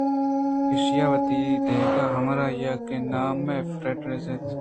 ایشیءَوتی دگہ ہمراہے کہ نامے فرٹزراَت